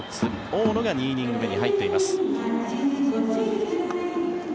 大野が２イニング目に入っています。